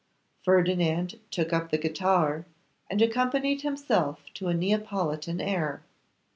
Ferdinand took up the guitar, and accompanied himself to a Neapolitan air.